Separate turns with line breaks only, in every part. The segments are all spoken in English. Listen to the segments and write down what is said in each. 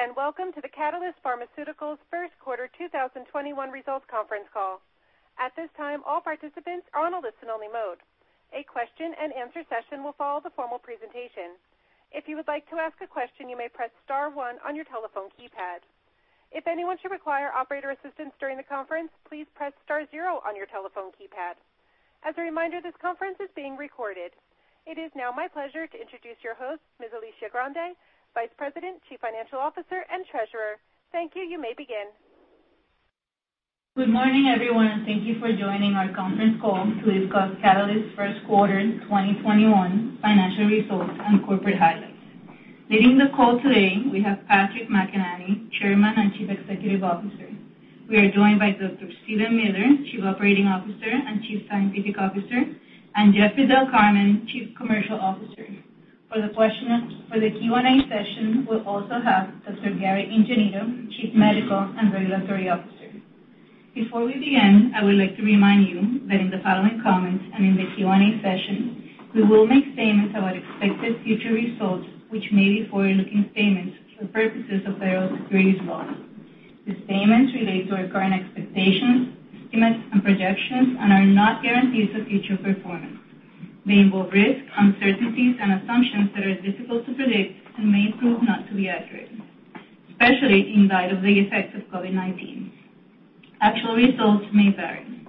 Greetings, welcome to the Catalyst Pharmaceuticals first quarter 2021 results conference call. It is now my pleasure to introduce your host, Ms. Alicia Grande, Vice President, Chief Financial Officer, and Treasurer. Thank you. You may begin.
Good morning, everyone, and thank you for joining our conference call to discuss Catalyst first quarter 2021 financial results and corporate highlights. Leading the call today, we have Patrick McEnany, Chairman and Chief Executive Officer. We are joined by Dr. Steven Miller, Chief Operating Officer and Chief Scientific Officer, and Jeffrey Del Carmen, Chief Commercial Officer. For the Q&A session, we will also have Dr. Gary Ingenito, Chief Medical and Regulatory Officer. Before we begin, I would like to remind you that in the following comments and in the Q&A session, we will make statements about expected future results, which may be forward-looking statements for the purposes of federal securities laws. These statements relate to our current expectations, estimates, and projections and are not guarantees of future performance. They involve risks, uncertainties, and assumptions that are difficult to predict and may prove not to be accurate, especially in light of the effects of COVID-19. Actual results may vary.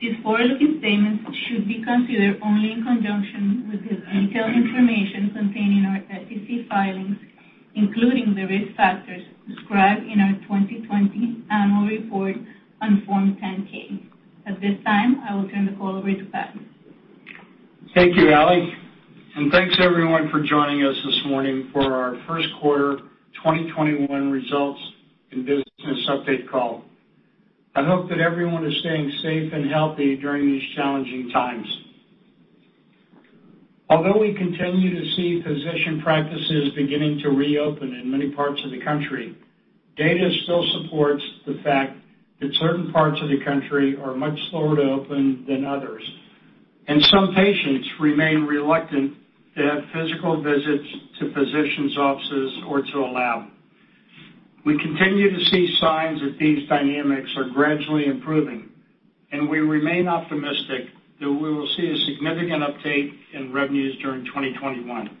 These forward-looking statements should be considered only in conjunction with the detailed information contained in our SEC filings, including the risk factors described in our 2020 annual report on Form 10-K. At this time, I will turn the call over to Patrick.
Thank you, Aly. Thanks, everyone, for joining us this morning for our first quarter 2021 results and business update call. I hope that everyone is staying safe and healthy during these challenging times. Although we continue to see physician practices beginning to reopen in many parts of the country, data still supports the fact that certain parts of the country are much slower to open than others, and some patients remain reluctant to have physical visits to physicians' offices or to a lab. We continue to see signs that these dynamics are gradually improving, and we remain optimistic that we will see a significant uptake in revenues during 2021.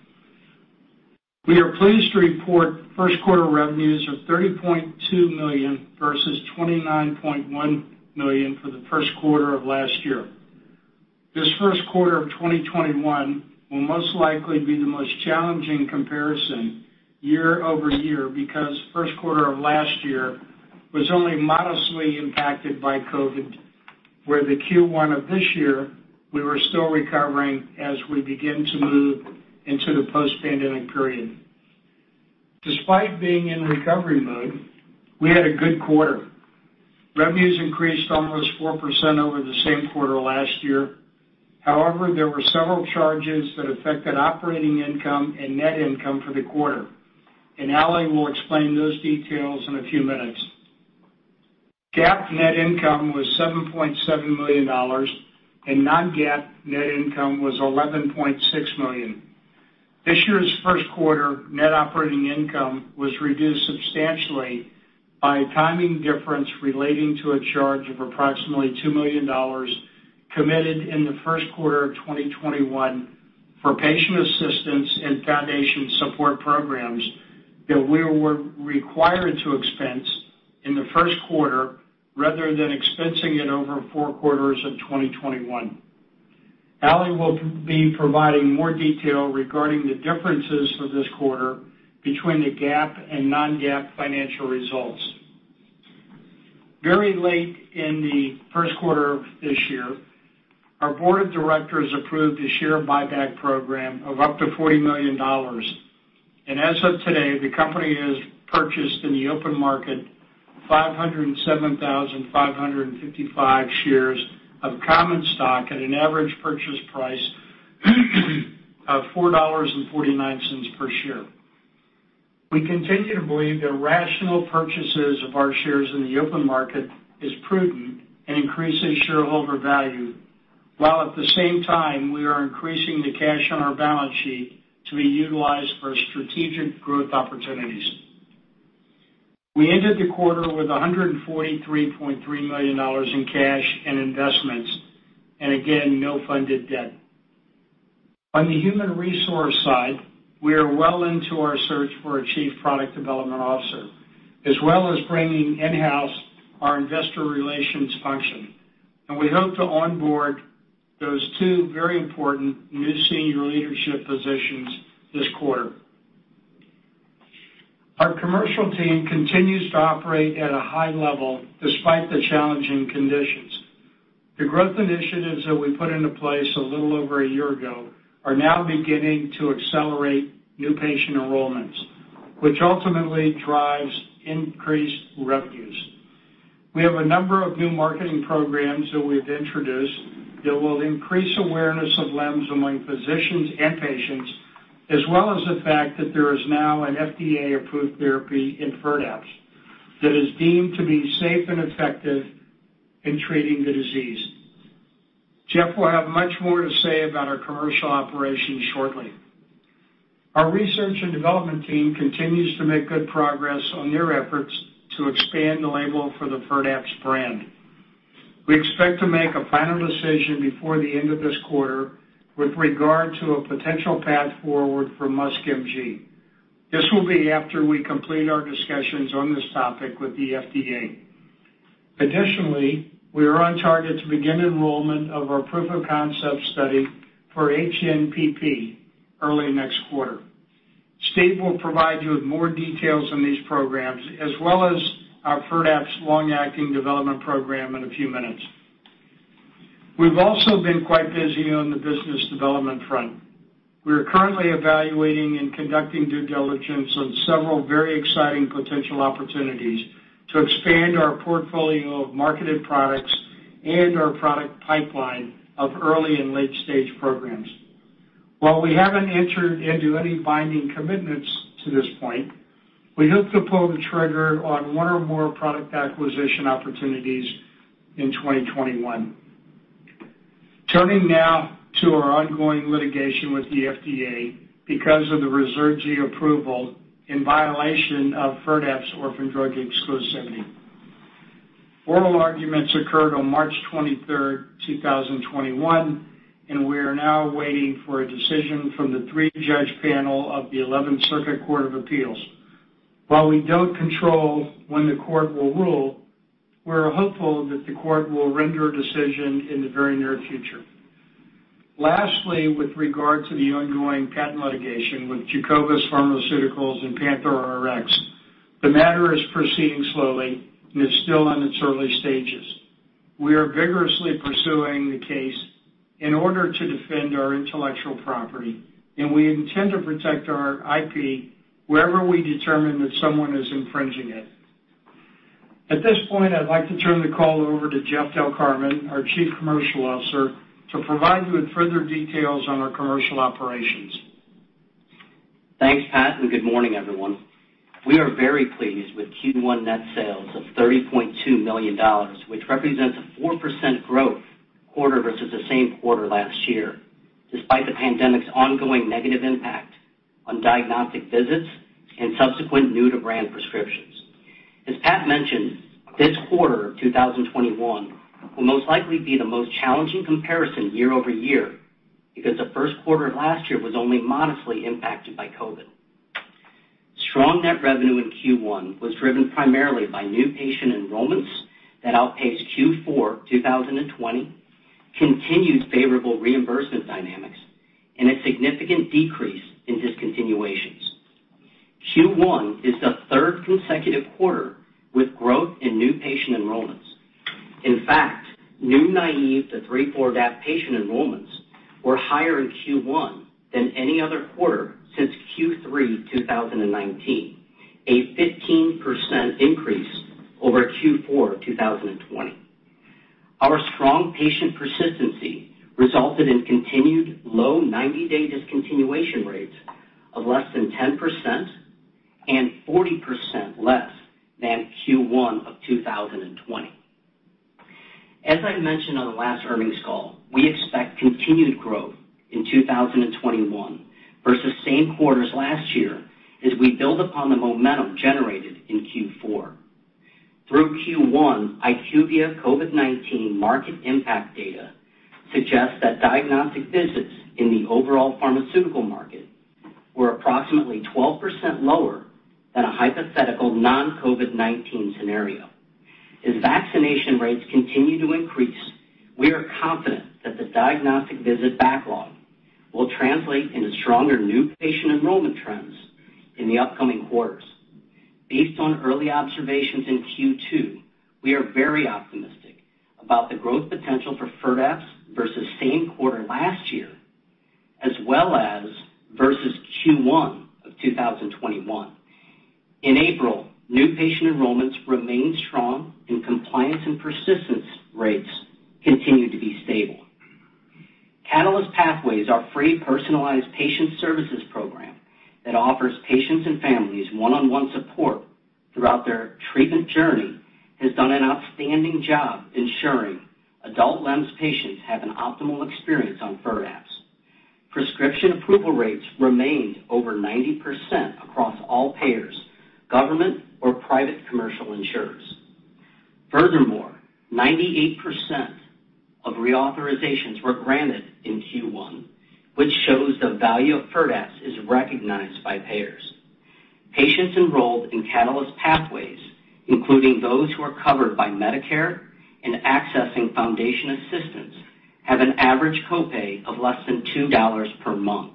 We are pleased to report first quarter revenues of $30.2 million versus $29.1 million for the first quarter of last year. This first quarter of 2021 will most likely be the most challenging comparison year-over-year because first quarter of last year was only modestly impacted by COVID, where the Q1 of this year, we were still recovering as we begin to move into the post-pandemic period. Despite being in recovery mode, we had a good quarter. Revenues increased almost 4% over the same quarter last year. There were several charges that affected operating income and net income for the quarter, and Aly will explain those details in a few minutes. GAAP net income was $7.7 million, and non-GAAP net income was $11.6 million. This year's first quarter net operating income was reduced substantially by a timing difference relating to a charge of approximately $2 million committed in the first quarter of 2021 for patient assistance and foundation support programs that we were required to expense in the first quarter rather than expensing it over four quarters of 2021. Aly will be providing more detail regarding the differences for this quarter between the GAAP and non-GAAP financial results. Very late in the first quarter of this year, our board of directors approved a share buyback program of up to $40 million. As of today, the company has purchased in the open market 507,555 shares of common stock at an average purchase price of $4.49 per share. We continue to believe that rational purchases of our shares in the open market is prudent and increases shareholder value, while at the same time, we are increasing the cash on our balance sheet to be utilized for strategic growth opportunities. We ended the quarter with $143.3 million in cash and investments, and again, no funded debt. On the human resource side, we are well into our search for a Chief Product Development Officer, as well as bringing in-house our investor relations function. We hope to onboard those two very important new senior leadership positions this quarter. Our commercial team continues to operate at a high level despite the challenging conditions. The growth initiatives that we put into place a little over a year ago are now beginning to accelerate new patient enrollments, which ultimately drives increased revenues. We have a number of new marketing programs that we've introduced that will increase awareness of LEMS among physicians and patients, as well as the fact that there is now an FDA-approved therapy in FIRDAPSE that is deemed to be safe and effective in treating the disease. Jeff will have much more to say about our commercial operations shortly. Our research and development team continues to make good progress on their efforts to expand the label for the FIRDAPSE brand. We expect to make a final decision before the end of this quarter with regard to a potential path forward for MuSK-MG. This will be after we complete our discussions on this topic with the FDA. Additionally, we are on target to begin enrollment of our proof of concept study for HNPP early next quarter. Steve will provide you with more details on these programs, as well as our FIRDAPSE long-acting development program in a few minutes. We've also been quite busy on the business development front. We are currently evaluating and conducting due diligence on several very exciting potential opportunities to expand our portfolio of marketed products and our product pipeline of early and late-stage programs. While we haven't entered into any binding commitments to this point, we hope to pull the trigger on one or more product acquisition opportunities in 2021. Turning now to our ongoing litigation with the FDA because of the Ruzurgi approval in violation of FIRDAPSE orphan drug exclusivity. Oral arguments occurred on March 23rd, 2021, and we are now waiting for a decision from the three-judge panel of the Eleventh Circuit Court of Appeals. While we don't control when the court will rule, we're hopeful that the court will render a decision in the very near future. Lastly, with regard to the ongoing patent litigation with Jacobus Pharmaceuticals and PANTHERx, the matter is proceeding slowly and is still in its early stages. We are vigorously pursuing the case in order to defend our intellectual property, and we intend to protect our IP wherever we determine that someone is infringing it. At this point, I'd like to turn the call over to Jeff Del Carmen, our Chief Commercial Officer, to provide you with further details on our commercial operations.
Thanks, Pat. Good morning, everyone. We are very pleased with Q1 net sales of $30.2 million, which represents a 4% growth quarter versus the same quarter last year, despite the pandemic's ongoing negative impact on diagnostic visits and subsequent new-to-brand prescriptions. As Pat mentioned, this quarter of 2021 will most likely be the most challenging comparison year-over-year because the first quarter of last year was only modestly impacted by COVID-19. Strong net revenue in Q1 was driven primarily by new patient enrollments that outpaced Q4 2020, continued favorable reimbursement dynamics, and a significant decrease in discontinuations. Q1 is the third consecutive quarter with growth in new patient enrollments. In fact, new naive to 3,4-DAP patient enrollments were higher in Q1 than any other quarter since Q3 2019, a 15% increase over Q4 2020. Our strong patient persistency resulted in continued low 90-day discontinuation rates of less than 10% and 40% less than Q1 of 2020. As I mentioned on the last earnings call, we expect continued growth in 2021 versus same quarters last year as we build upon the momentum generated in Q4. Through Q1, IQVIA COVID-19 market impact data suggests that diagnostic visits in the overall pharmaceutical market were approximately 12% lower than a hypothetical non-COVID-19 scenario. As vaccination rates continue to increase, we are confident that the diagnostic visit backlog will translate into stronger new patient enrollment trends in the upcoming quarters. Based on early observations in Q2, we are very optimistic about the growth potential for FIRDAPSE versus same quarter last year, as well as versus Q1 of 2021. In April, new patient enrollments remained strong and compliance and persistence rates continued to be stable. Catalyst Pathways, our free personalized patient services program that offers patients and families one-on-one support throughout their treatment journey, has done an outstanding job ensuring adult LEMS patients have an optimal experience on FIRDAPSE. Prescription approval rates remained over 90% across all payers, government or private commercial insurers. Furthermore, 98% of reauthorizations were granted in Q1, which shows the value of FIRDAPSE is recognized by payers. Patients enrolled in Catalyst Pathways, including those who are covered by Medicare and accessing foundation assistance, have an average copay of less than $2 per month.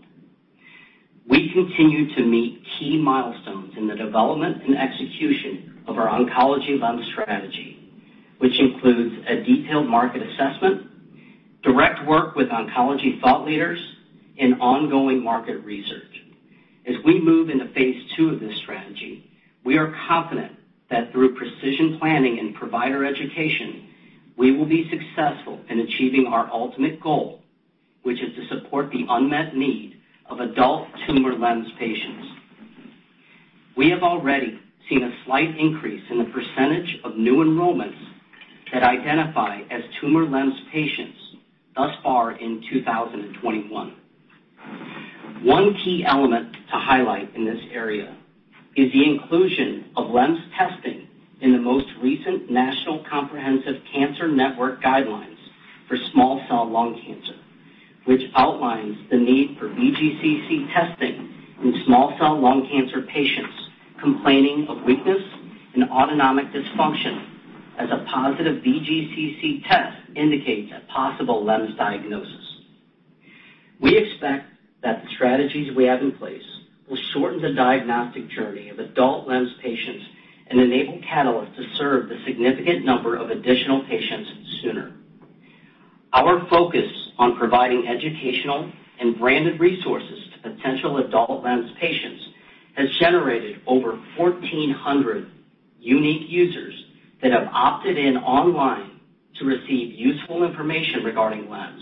We continue to meet key milestones in the development and execution of our oncology LEMS strategy, which includes a detailed market assessment, direct work with oncology thought leaders, and ongoing market research. As we move into phase II of this strategy, we are confident that through precision planning and provider education, we will be successful in achieving our ultimate goal, which is to support the unmet need of adult tumor LEMS patients. We have already seen a slight increase in the percentage of new enrollments that identify as tumor LEMS patients thus far in 2021. One key element to highlight in this area is the inclusion of LEMS testing in the most recent National Comprehensive Cancer Network guidelines for small cell lung cancer, which outlines the need for VGCC testing in small cell lung cancer patients complaining of weakness and autonomic dysfunction, as a positive VGCC test indicates a possible LEMS diagnosis. We expect that the strategies we have in place will shorten the diagnostic journey of adult LEMS patients and enable Catalyst to serve the significant number of additional patients sooner. Our focus on providing educational and branded resources to potential adult LEMS patients has generated over 1,400 unique users that have opted in online to receive useful information regarding LEMS.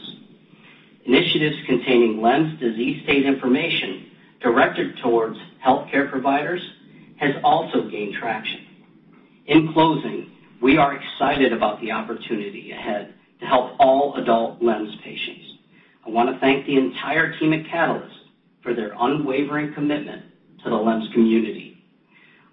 Initiatives containing LEMS disease state information directed towards healthcare providers has also gained traction. In closing, we are excited about the opportunity ahead to help all adult LEMS patients. I want to thank the entire team at Catalyst for their unwavering commitment to the LEMS community.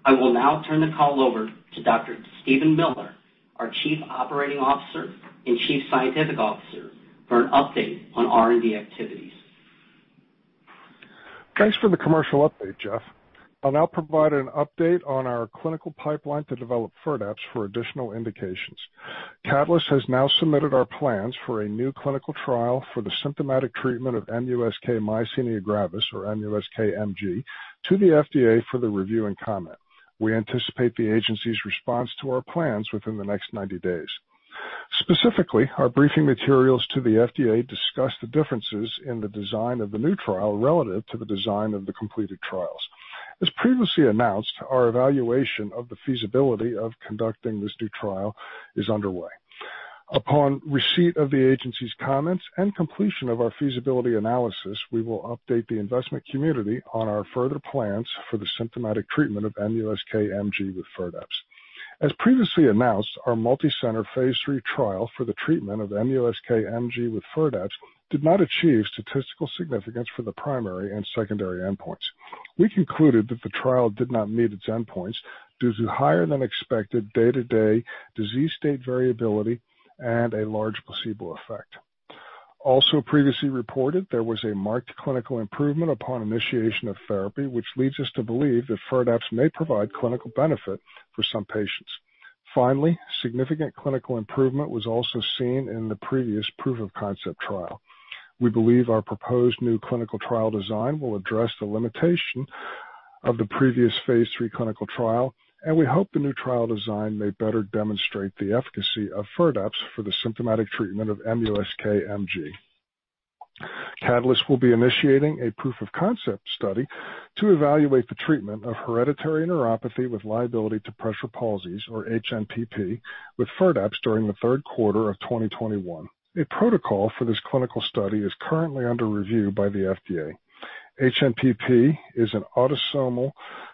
I will now turn the call over to Dr. Steven Miller, our Chief Operating Officer and Chief Scientific Officer, for an update on R&D activities.
Thanks for the commercial update, Jeff. I'll now provide an update on our clinical pipeline to develop FIRDAPSE for additional indications. Catalyst has now submitted our plans for a new clinical trial for the symptomatic treatment of MuSK myasthenia gravis, or MuSK-MG, to the FDA for the review and comment. We anticipate the agency's response to our plans within the next 90 days. Specifically, our briefing materials to the FDA discuss the differences in the design of the new trial relative to the design of the completed trials. As previously announced, our evaluation of the feasibility of conducting this new trial is underway. Upon receipt of the agency's comments and completion of our feasibility analysis, we will update the investment community on our further plans for the symptomatic treatment of MuSK-MG with FIRDAPSE. As previously announced, our multi-center phase III trial for the treatment of MuSK-MG with FIRDAPSE did not achieve statistical significance for the primary and secondary endpoints. We concluded that the trial did not meet its endpoints due to higher than expected day-to-day disease state variability and a large placebo effect. Also previously reported, there was a marked clinical improvement upon initiation of therapy, which leads us to believe that FIRDAPSE may provide clinical benefit for some patients. Finally, significant clinical improvement was also seen in the previous proof of concept trial. We believe our proposed new clinical trial design will address the limitation of the previous phase III clinical trial, and we hope the new trial design may better demonstrate the efficacy of FIRDAPSE for the symptomatic treatment of MuSK-MG. Catalyst will be initiating a proof of concept study to evaluate the treatment of hereditary neuropathy with liability to pressure palsies, or HNPP, with FIRDAPSE during the third quarter of 2021. A protocol for this clinical study is currently under review by the FDA. HNPP is an autosomal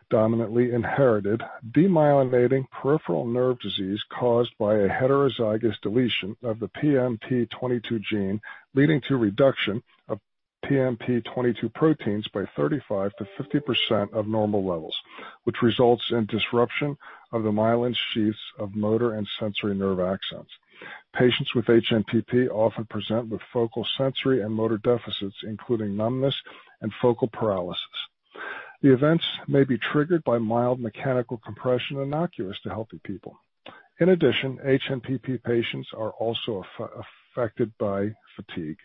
dominantly inherited demyelinating peripheral nerve disease caused by a heterozygous deletion of the PMP22 gene, leading to reduction of PMP22 proteins by 35%-50% of normal levels, which results in disruption of the myelin sheaths of motor and sensory nerve axons. Patients with HNPP often present with focal sensory and motor deficits, including numbness and focal paralysis. The events may be triggered by mild mechanical compression innocuous to healthy people. In addition, HNPP patients are also affected by fatigue.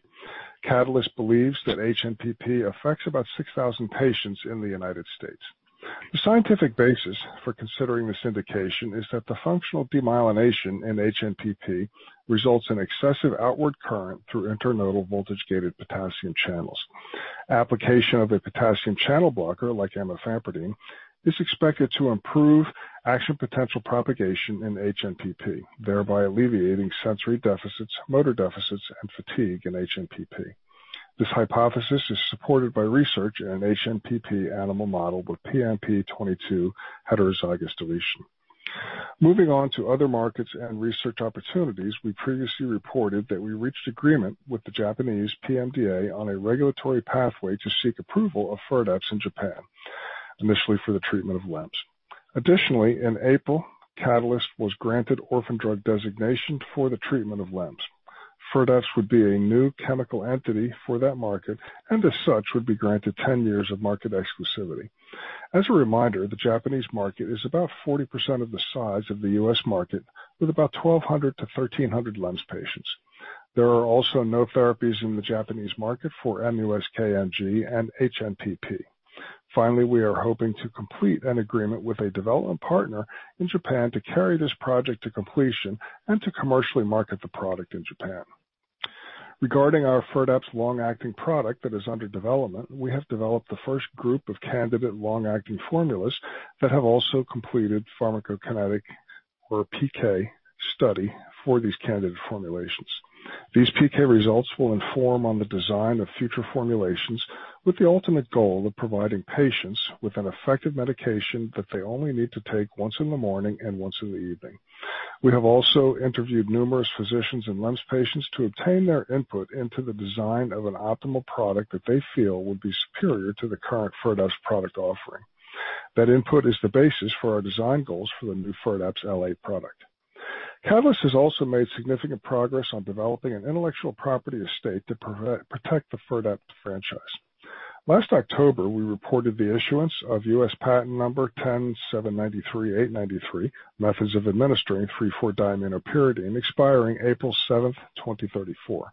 Catalyst believes that HNPP affects about 6,000 patients in the United States. The scientific basis for considering this indication is that the functional demyelination in HNPP results in excessive outward current through internodal voltage-gated potassium channels. Application of a potassium channel blocker, like amifampridine, is expected to improve action potential propagation in HNPP, thereby alleviating sensory deficits, motor deficits, and fatigue in HNPP. This hypothesis is supported by research in an HNPP animal model with PMP22 heterozygous deletion. Moving on to other markets and research opportunities, we previously reported that we reached agreement with the Japanese PMDA on a regulatory pathway to seek approval of FIRDAPSE in Japan, initially for the treatment of LEMS. Additionally, in April, Catalyst was granted orphan drug designation for the treatment of LEMS. FIRDAPSE would be a new chemical entity for that market and as such, would be granted 10 years of market exclusivity. As a reminder, the Japanese market is about 40% of the size of the U.S. market, with about 1,200 to 1,300 LEMS patients. There are also no therapies in the Japanese market for MuSK-MG and HNPP. We are hoping to complete an agreement with a development partner in Japan to carry this project to completion and to commercially market the product in Japan. Regarding our FIRDAPSE long-acting product that is under development, we have developed the first group of candidate long-acting formulas that have also completed pharmacokinetic, or PK, study for these candidate formulations. These PK results will inform on the design of future formulations with the ultimate goal of providing patients with an effective medication that they only need to take once in the morning and once in the evening. We have also interviewed numerous physicians and LEMS patients to obtain their input into the design of an optimal product that they feel would be superior to the current FIRDAPSE product offering. That input is the basis for our design goals for the new FIRDAPSE LA product. Catalyst has also made significant progress on developing an intellectual property estate to protect the FIRDAPSE franchise. Last October, we reported the issuance of U.S. patent number 10,793,893, methods of administering 3,4-diaminopyridine, expiring April 7th, 2034.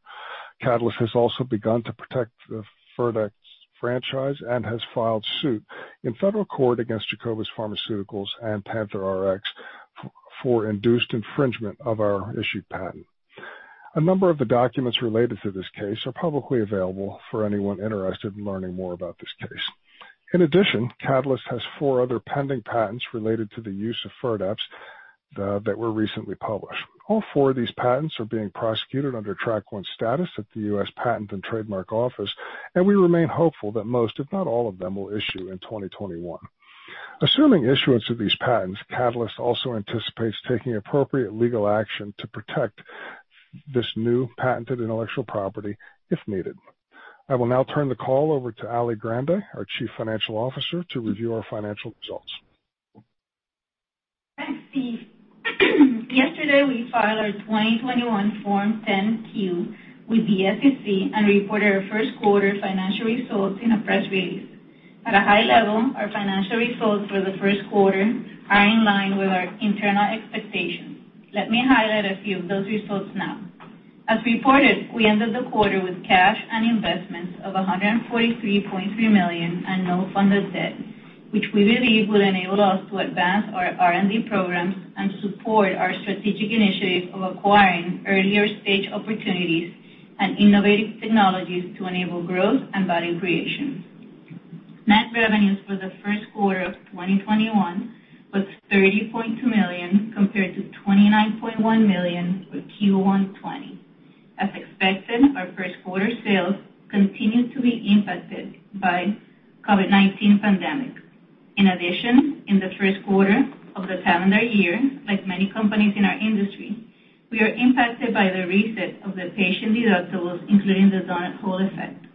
Catalyst has also begun to protect the FIRDAPSE franchise and has filed suit in federal court against Jacobus Pharmaceuticals and PANTHERx for induced infringement of our issued patent. A number of the documents related to this case are publicly available for anyone interested in learning more about this case. In addition, Catalyst has four other pending patents related to the use of FIRDAPSE that were recently published. All four of these patents are being prosecuted under Track One status at the U.S. Patent and Trademark Office. We remain hopeful that most, if not all of them, will issue in 2021. Assuming issuance of these patents, Catalyst also anticipates taking appropriate legal action to protect this new patented intellectual property if needed. I will now turn the call over to Aly Grande, our Chief Financial Officer, to review our financial results.
Thanks, Steve. Yesterday, we filed our 2021 Form 10-Q with the SEC and reported our first quarter financial results in a press release. At a high level, our financial results for the first quarter are in line with our internal expectations. Let me highlight a few of those results now. As reported, we ended the quarter with cash and investments of $143.3 million and no funded debt, which we believe will enable us to advance our R&D programs and support our strategic initiative of acquiring earlier-stage opportunities and innovative technologies to enable growth and value creation. Net revenues for the first quarter of 2021 was $30.2 million compared to $29.1 million for Q1 2020. As expected, our first quarter sales continued to be impacted by COVID-19 pandemic. In addition, in the first quarter of the calendar year, like many companies in our industry, we are impacted by the reset of the patient deductibles, including the donut hole effect.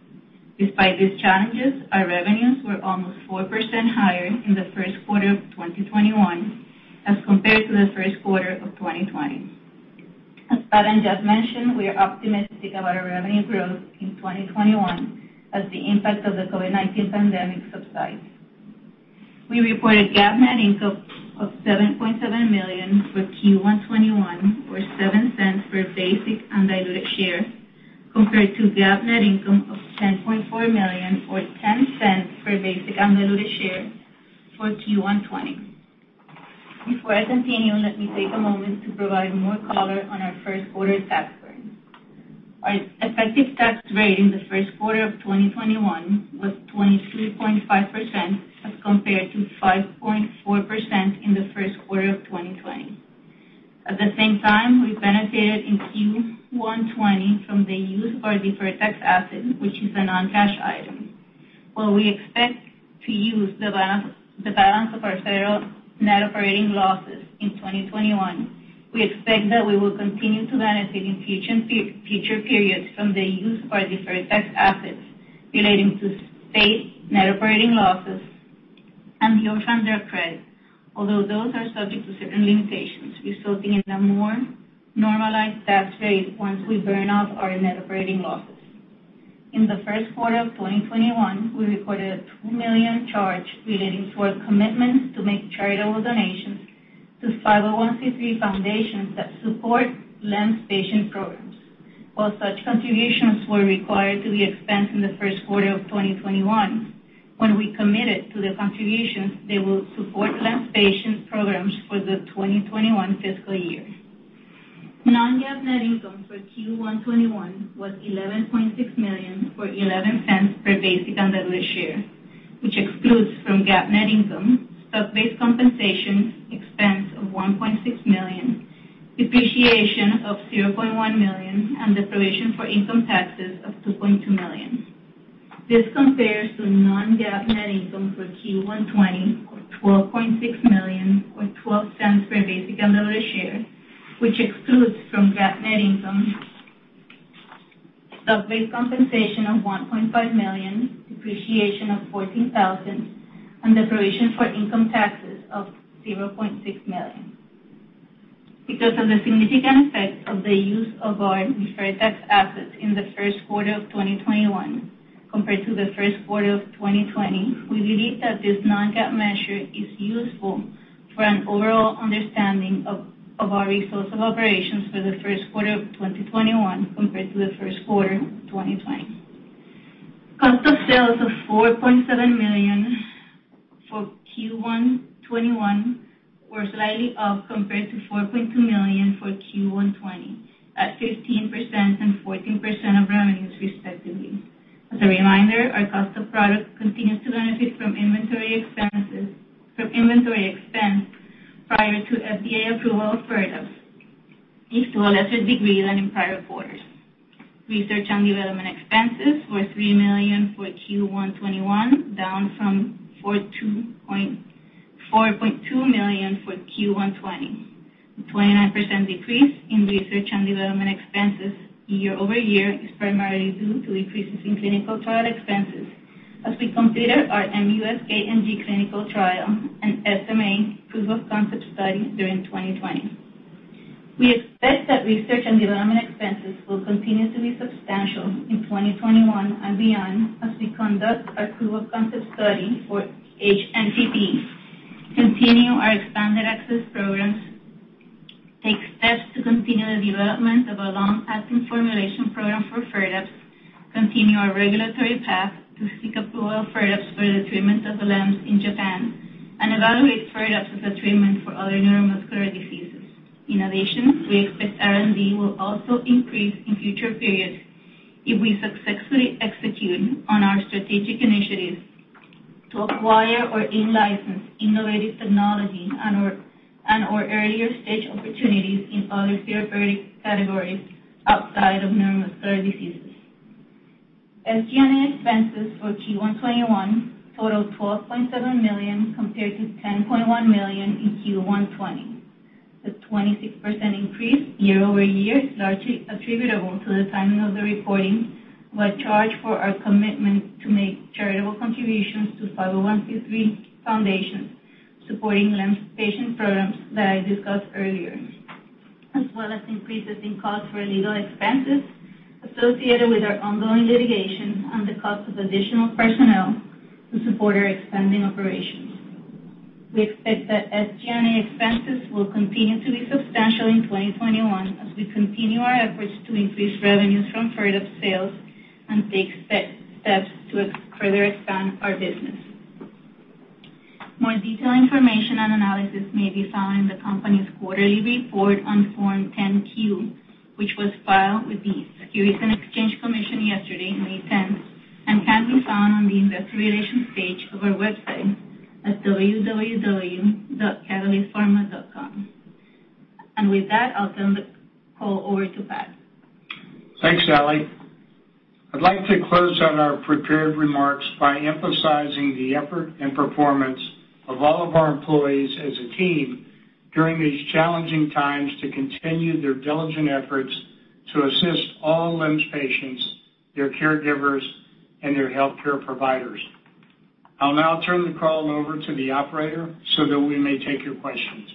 Despite these challenges, our revenues were almost 4% higher in the first quarter of 2021 as compared to the first quarter of 2020. As Pat and Jeff mentioned, we are optimistic about our revenue growth in 2021 as the impact of the COVID-19 pandemic subsides. We reported GAAP net income of $7.7 million for Q1 2021, or $0.07 per basic and diluted share, compared to GAAP net income of $10.4 million or $0.10 per basic and diluted share for Q1 2020. Before I continue, let me take a moment to provide more color on our first quarter tax burden. Our effective tax rate in the first quarter of 2021 was 23.5% as compared to 5.4% in the first quarter of 2020. At the same time, we benefited in Q1 2020 from the use of our deferred tax asset, which is a non-cash item. While we expect to use the balance of our federal net operating losses in 2021, we expect that we will continue to benefit in future periods from the use of our deferred tax assets relating to state net operating losses and the other federal credits. Those are subject to certain limitations, we still think it's a more normalized tax rate once we burn off our net operating losses. In the first quarter of 2021, we recorded a $2 million charge relating to our commitments to make charitable donations to 501(c)(3) foundations that support LEMS patient programs. While such contributions were required to be expensed in the first quarter of 2021, when we committed to the contributions, they will support LEMS patient programs for the 2021 fiscal year. Non-GAAP net income for Q1 2021 was $11.6 million or $0.11 per basic and diluted share, which excludes from GAAP net income stock-based compensation expense of $1.6 million, depreciation of $0.1 million, and the provision for income taxes of $2.2 million. This compares to non-GAAP net income for Q1 2020 of $12.6 million or $0.12 per basic and diluted share, which excludes from GAAP net income stock-based compensation of $1.5 million, depreciation of $14,000, and the provision for income taxes of $0.6 million. Because of the significant effect of the use of our deferred tax assets in the first quarter of 2021 compared to the first quarter of 2020, we believe that this non-GAAP measure is useful for an overall understanding of our results of operations for the first quarter of 2021 compared to the first quarter of 2020. Cost of sales of $4.7 million for Q1 2021 were slightly up compared to $4.2 million for Q1 2020 at 15% and 14% of revenues respectively. As a reminder, our cost of product continues to benefit from inventory expensed prior to FDA approval of FIRDAPSE, if to a lesser degree than in prior quarters. Research and development expenses were $3 million for Q1 2021, down from $4.2 million for Q1 2020. The 29% decrease in research and development expenses year-over-year is primarily due to decreases in clinical trial expenses as we completed our MuSK-MG clinical trial and SMA proof-of-concept study during 2020. We expect that research and development expenses will continue to be substantial in 2021 and beyond as we conduct our proof-of-concept study for HNPP, continue our expanded access programs, take steps to continue the development of a long-acting formulation program for FIRDAPSE, continue our regulatory path to seek approval of FIRDAPSE for the treatment of LEMS in Japan, and evaluate FIRDAPSE as a treatment for other neuromuscular diseases. In addition, we expect R&D will also increase in future periods if we successfully execute on our strategic initiatives to acquire or in-license innovative technologies and/or earlier-stage opportunities in other therapeutic categories outside of neuromuscular diseases. SG&A expenses for Q1 2021 total $12.7 million compared to $10.1 million in Q1 2020. The 26% increase year-over-year is largely attributable to the timing of the reporting of the charge for our commitment to make charitable contributions to 501(c)(3) foundations supporting LEMS patient programs that I discussed earlier, as well as increases in costs for legal expenses associated with our ongoing litigation and the cost of additional personnel to support our expanding operations. We expect that SG&A expenses will continue to be substantial in 2021 as we continue our efforts to increase revenues from FIRDAPSE sales and take steps to further expand our business. More detailed information and analysis may be found in the company's quarterly report on Form 10-Q, which was filed with the Securities and Exchange Commission yesterday, May 10th, and can be found on the investor relations page of our website at www.catalystpharma.com. With that, I'll turn the call over to Pat.
Thanks, Aly. I'd like to close out our prepared remarks by emphasizing the effort and performance of all of our employees as a team during these challenging times to continue their diligent efforts to assist all LEMS patients, their caregivers, and their healthcare providers. I'll now turn the call over to the operator so that we may take your questions.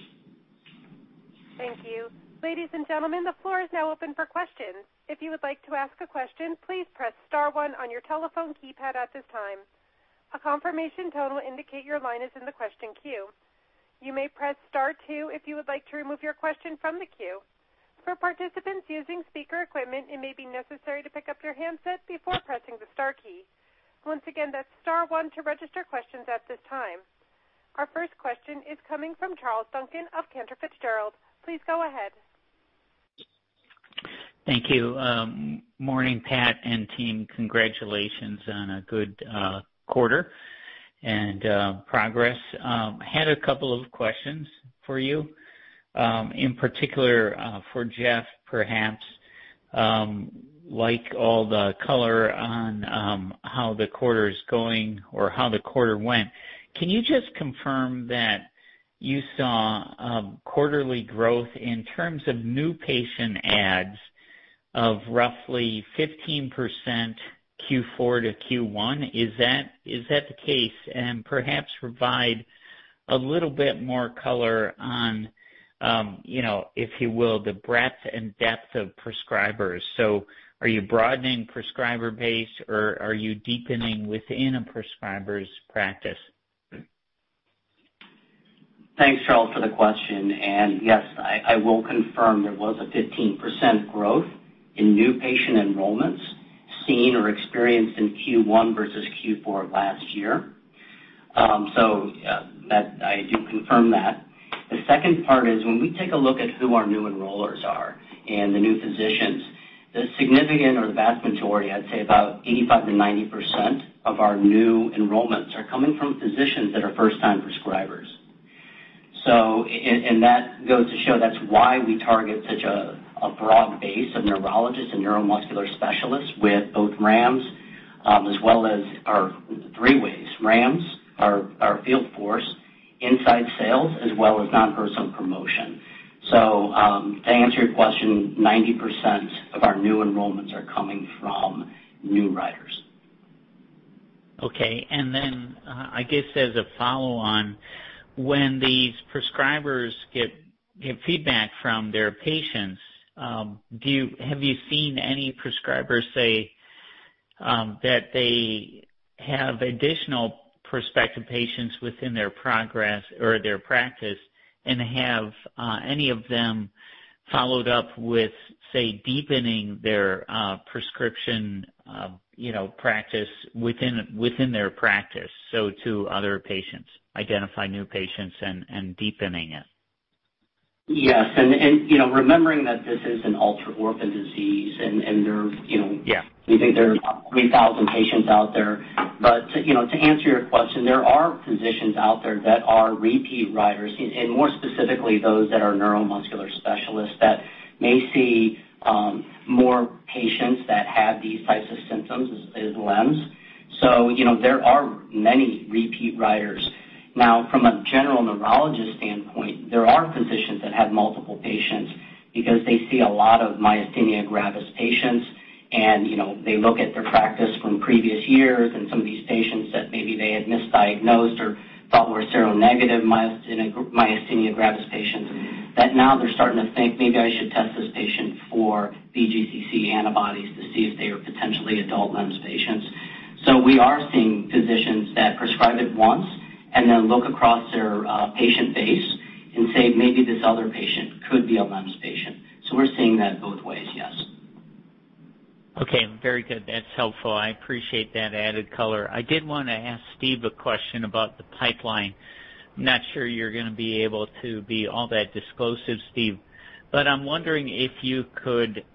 Thank you. Ladies and gentlemen, the floor is now open for questions. If you would like to ask a question, please press star one on your telephone keypad at this time. A confirmation tone will indicate your line is in the question queue. You may press star two if you would like to remove your question from the queue. For participants using speaker equipment, it may be necessary to pick up your handset before pressing the star key. Once again, that's star one to register questions at this time. Our first question is coming from Charles Duncan of Cantor Fitzgerald. Please go ahead.
Thank you. Morning, Pat and team. Congratulations on a good quarter and progress. Had a couple of questions for you, in particular, for Jeff, perhaps, like all the color on how the quarter is going or how the quarter went. Can you just confirm that you saw quarterly growth in terms of new patient adds of roughly 15% Q4 to Q1? Is that the case? Perhaps provide a little bit more color on, if you will, the breadth and depth of prescribers. So, are you broadening prescriber base or are you deepening within a prescriber's practice?
Thanks, Charles, for the question. Yes, I will confirm there was a 15% growth in new patient enrollments seen or experienced in Q1 versus Q4 of last year. I do confirm that. The second part is when we take a look at who our new enrollers are and the new physicians, the significant or the vast majority, I'd say about 85%-90% of our new enrollments are coming from physicians that are first-time prescribers. That goes to show that's why we target such a broad base of neurologists and neuromuscular specialists with both RAMs, as well as our three ways, RAMs, our field force, inside sales, as well as non-personal promotion. To answer your question, 90% of our new enrollments are coming from new writers.
Okay. I guess as a follow-on, when these prescribers get feedback from their patients, have you seen any prescribers say that they have additional prospective patients within their progress or their practice and have any of them followed up with, say, deepening their prescription within their practice, so to other patients, identifying new patients and deepening it?
Yes. Remembering that this is an ultra-orphan disease, and we think there are 3,000 patients out there. To answer your question, there are physicians out there that are repeat writers, and more specifically, those that are neuromuscular specialists that may see more patients that have these types of symptoms as LEMS. There are many repeat writers. From a general neurologist standpoint, there are physicians that have multiple patients because they see a lot of myasthenia gravis patients and they look at their practice from previous years and some of these patients that maybe they had misdiagnosed or thought were seronegative myasthenia gravis patients that now they're starting to think, "Maybe I should test this patient for VGCC antibodies to see if they are potentially adult LEMS patients." We are seeing physicians that prescribe it once and then look across their patient base and say, "Maybe this other patient could be a LEMS patient." We're seeing that both ways, yes.
Okay. Very good. That's helpful. I appreciate that added color. I did want to ask Steve a question about the pipeline. I'm not sure you're going to be able to be all that disclosive, Steve, but I'm wondering if you could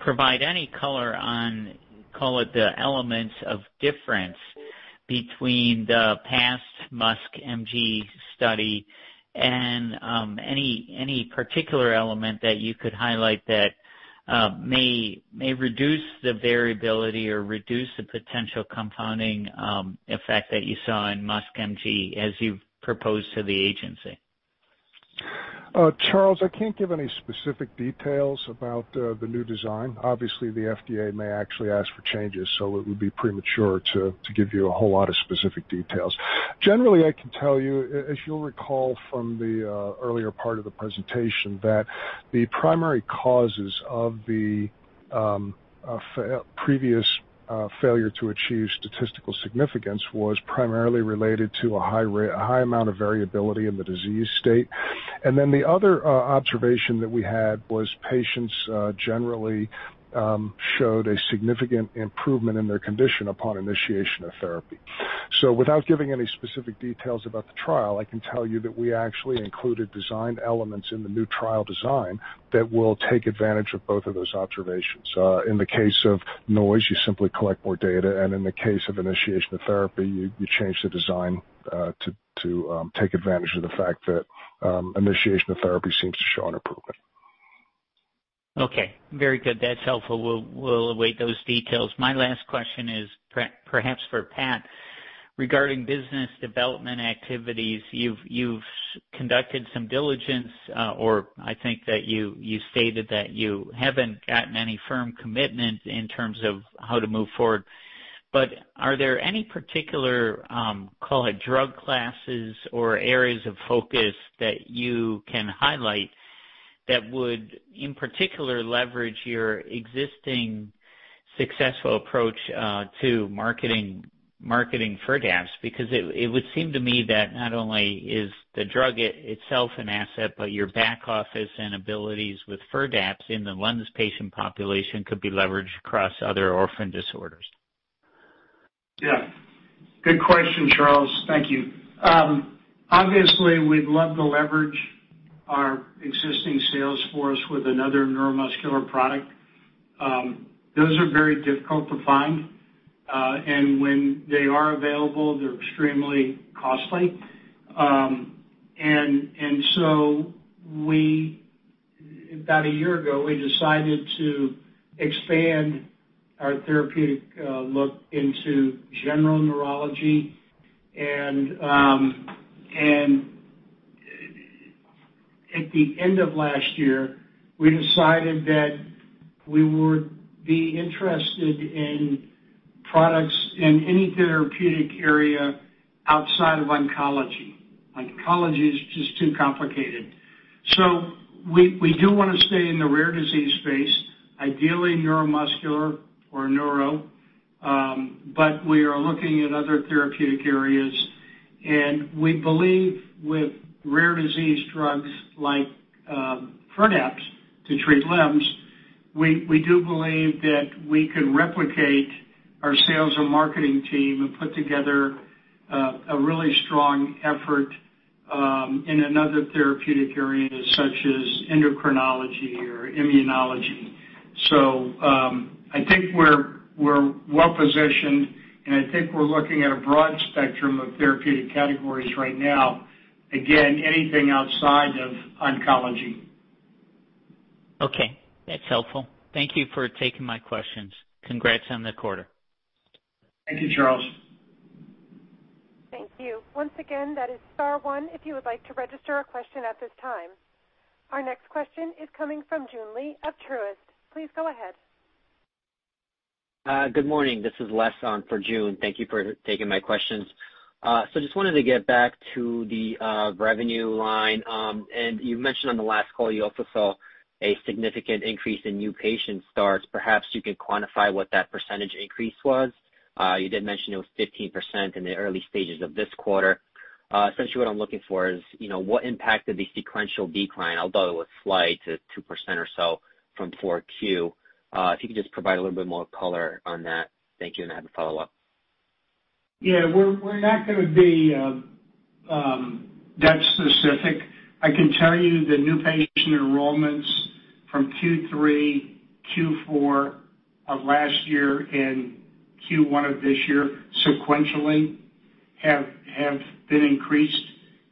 provide any color on, call it, the elements of difference between the past MuSK-MG study and any particular element that you could highlight that may reduce the variability or reduce the potential compounding effect that you saw in MuSK-MG as you've proposed to the agency.
Charles, I can't give any specific details about the new design. Obviously, the FDA may actually ask for changes. It would be premature to give you a whole lot of specific details. Generally, I can tell you, as you'll recall from the earlier part of the presentation, that the primary causes of the previous failure to achieve statistical significance was primarily related to a high amount of variability in the disease state. The other observation that we had was patients generally showed a significant improvement in their condition upon initiation of therapy. Without giving any specific details about the trial, I can tell you that we actually included design elements in the new trial design that will take advantage of both of those observations. In the case of noise, you simply collect more data, and in the case of initiation of therapy, you change the design to take advantage of the fact that initiation of therapy seems to show an improvement.
Okay, very good. That's helpful. We'll await those details. My last question is perhaps for Pat regarding business development activities. You've conducted some diligence, or I think that you stated that you haven't gotten any firm commitment in terms of how to move forward. Are there any particular, call it, drug classes or areas of focus that you can highlight that would, in particular, leverage your existing successful approach to marketing FIRDAPSE? It would seem to me that not only is the drug itself an asset, but your back office and abilities with FIRDAPSE in the LEMS patient population could be leveraged across other orphan disorders.
Good question, Charles. Thank you. Obviously, we'd love to leverage our existing sales force with another neuromuscular product. Those are very difficult to find, and when they are available, they're extremely costly. About a year ago, we decided to expand our therapeutic look into general neurology. At the end of last year, we decided that we would be interested in products in any therapeutic area outside of oncology. Oncology is just too complicated. We do want to stay in the rare disease space, ideally neuromuscular or neuro, but we are looking at other therapeutic areas, and we believe with rare disease drugs like FIRDAPSE to treat LEMS, we do believe that we can replicate our sales and marketing team and put together a really strong effort in another therapeutic area, such as endocrinology or immunology. I think we're well-positioned, and I think we're looking at a broad spectrum of therapeutic categories right now. Again, anything outside of oncology.
Okay. That's helpful. Thank you for taking my questions. Congrats on the quarter.
Thank you, Charles.
Thank you. Once again, that is star one if you would like to register a question at this time. Our next question is coming from Joon Lee of Truist. Please go ahead.
Good morning. This is Les on for Joon. Thank you for taking my questions. Just wanted to get back to the revenue line. You mentioned on the last call you also saw a significant increase in new patient starts. Perhaps you could quantify what that percentage increase was. You did mention it was 15% in the early stages of this quarter. Essentially, what I'm looking for is what impact did the sequential decline, although it was slight at 2% or so from 4Q. If you could just provide a little bit more color on that. Thank you. I have a follow-up.
Yeah, we're not going to be that specific. I can tell you the new patient enrollments from Q3, Q4 of last year and Q1 of this year sequentially have been increased,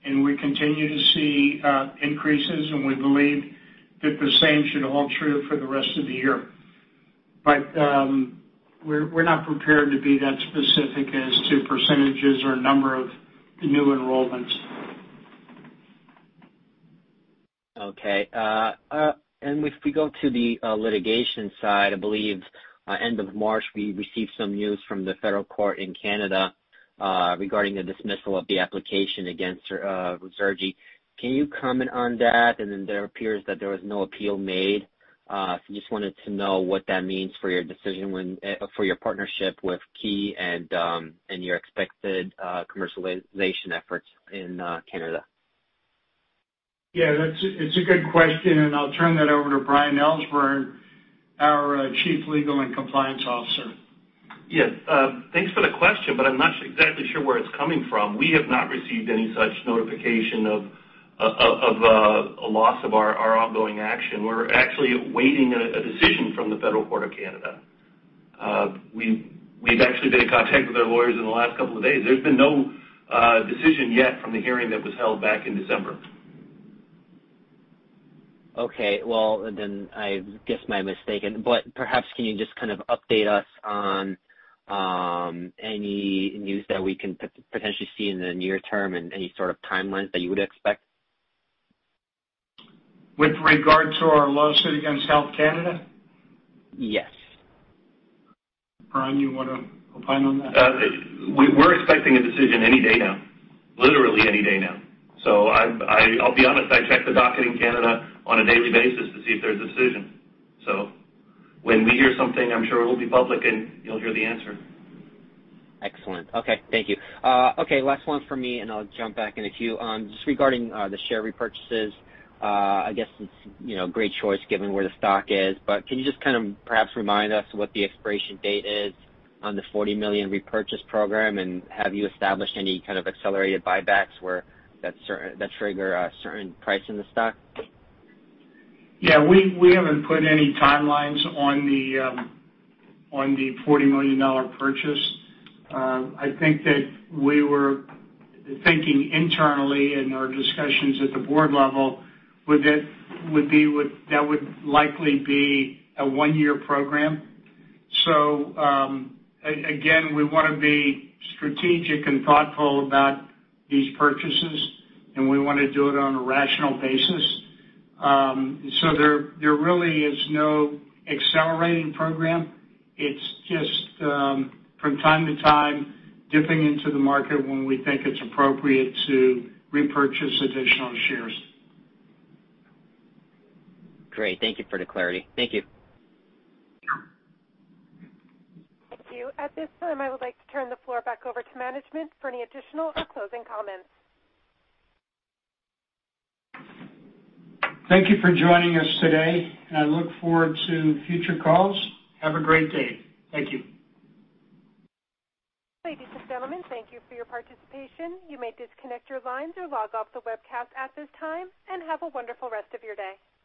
and we continue to see increases, and we believe that the same should hold true for the rest of the year. We're not prepared to be that specific as to percentages or number of new enrollments.
Okay. If we go to the litigation side, I believe end of March, we received some news from the federal court in Canada regarding the dismissal of the application against Ruzurgi. Can you comment on that? There appears that there was no appeal made. Just wanted to know what that means for your partnership with KYE and your expected commercialization efforts in Canada.
Yeah, it's a good question, and I'll turn that over to Brian Elsbernd, our Chief Legal and Compliance Officer.
Yes. Thanks for the question. I'm not exactly sure where it's coming from. We have not received any such notification of a loss of our ongoing action. We're actually awaiting a decision from the Federal Court of Canada. We've actually been in contact with our lawyers in the last couple of days. There's been no decision yet from the hearing that was held back in December.
Okay. Well, then I guess my mistake. Perhaps can you just update us on any news that we can potentially see in the near term and any sort of timelines that you would expect?
With regard to our lawsuit against Health Canada?
Yes.
Brian, you want to opine on that?
We're expecting a decision any day now. Literally any day now. I'll be honest, I check the docket in Canada on a daily basis to see if there's a decision. When we hear something, I'm sure it will be public, and you'll hear the answer.
Excellent. Okay. Thank you. Okay, last one from me, and I'll jump back in the queue. Just regarding the share repurchases, I guess it's a great choice given where the stock is, but can you just perhaps remind us what the expiration date is on the $40 million repurchase program, and have you established any kind of accelerated buybacks where that trigger a certain price in the stock?
We haven't put any timelines on the $40 million purchase. I think that we were thinking internally in our discussions at the board level, that would likely be a one-year program. Again, we want to be strategic and thoughtful about these purchases, and we want to do it on a rational basis. There really is no accelerating program. It's just from time to time dipping into the market when we think it's appropriate to repurchase additional shares.
Great. Thank you for the clarity. Thank you.
Thank you. At this time, I would like to turn the floor back over to management for any additional or closing comments.
Thank you for joining us today, and I look forward to future calls. Have a great day. Thank you.
Ladies and gentlemen, thank you for your participation. You may disconnect your lines or log off the webcast at this time. Have a wonderful rest of your day.